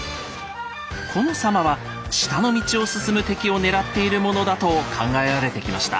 この狭間は下の道を進む敵を狙っているものだと考えられてきました。